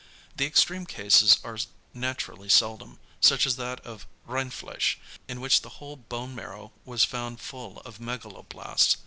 The extreme cases are naturally seldom, such as that of Rindfleisch, in which the whole bone marrow was found full of megaloblasts.